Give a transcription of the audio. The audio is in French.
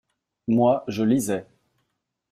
Moi, je lisais.